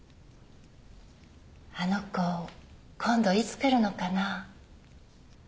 あの子今度いつ来るのかな？